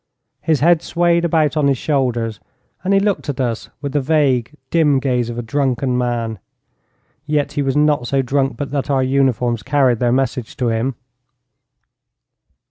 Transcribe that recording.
His head swayed about on his shoulders, and he looked at us with the vague, dim gaze of a drunken man. Yet he was not so drunk but that our uniforms carried their message to him.